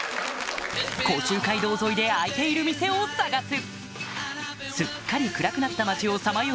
甲州街道沿いで開いている店を探す